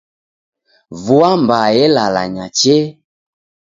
Vua mbaa elalanya chee!